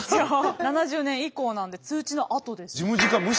７０年以降なんで通知のあとです。